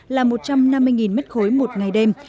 là một trăm năm mươi m ba một ngày đêm